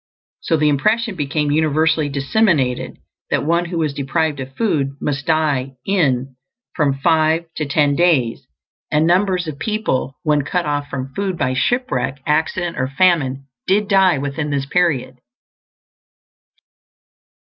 So the impression became universally disseminated that one who was deprived of food must die in from five to ten days; and numbers of people, when cut off from food by shipwreck, accident, or famine, did die within this period.